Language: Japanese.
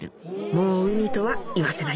もうウニとは言わせない